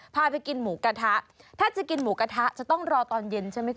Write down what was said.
พาไปกินหมูกระทะถ้าจะกินหมูกระทะจะต้องรอตอนเย็นใช่ไหมคุณ